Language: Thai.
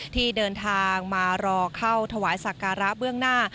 ที่เดินทางมารอเข้าถวายสักการะเบื้องหน้า